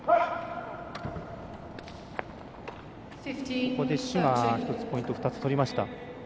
ここで朱がポイント２つ取りました。